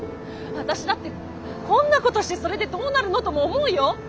私だってこんなことしてそれでどうなるのとも思うよ。